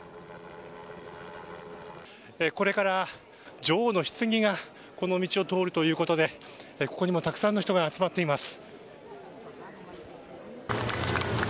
これから女王のひつぎがこの道を通るということでここにもたくさんの人が集まっています。